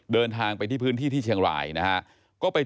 เดินทางไปที่พื้นที่ชีวินไทย